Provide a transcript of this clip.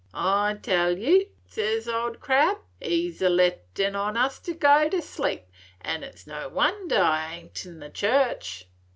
I tell yew,' says Old Crab, 'he 's a lettin' on us all go to sleep, and it 's no wonder I ain't in the church.'